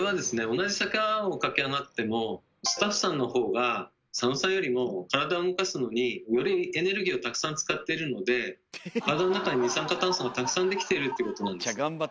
同じ坂を駆け上がってもスタッフさんのほうが佐野さんよりも体を動かすのによりエネルギーをたくさん使っているので体の中に二酸化炭素がたくさんできているということなんです。